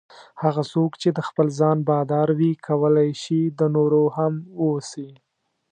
هغه څوک چې د خپل ځان بادار وي کولای شي د نورو هم واوسي.